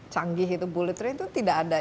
canggih itu bullet train itu tidak ada